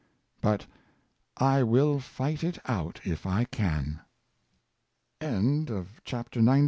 But / ivill fight it out if I can r^ CHAPTER XX.